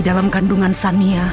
dalam kandungan sania